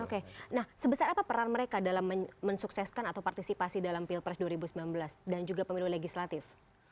oke nah sebesar apa peran mereka dalam mensukseskan atau partisipasi dalam pilpres dua ribu sembilan belas dan juga pemilu legislatif